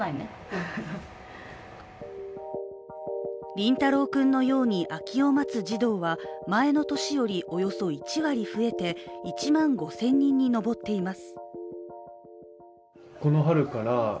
りんたろう君のように空きを待つ児童は前の年よりおよそ１割増えて、１万５０００人に上っています。